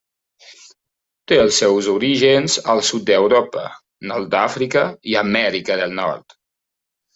Té els seus orígens al sud d'Europa, nord d'Àfrica i Amèrica del nord.